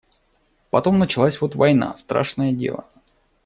Потом началась вот война — страшное дело.